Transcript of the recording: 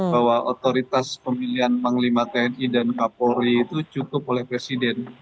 bahwa otoritas pemilihan panglima tni dan kapolri itu cukup oleh presiden